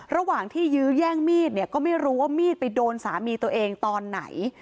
ระหว่างที่ยื้อแย่งมีดเนี่ยก็ไม่รู้ว่ามีดไปโดนสามีตัวเองตอนไหน